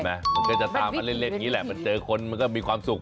มันก็จะตามมาเล่นอย่างนี้แหละมันเจอคนมันก็มีความสุข